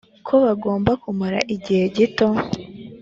ko bagomba kumara igihe gito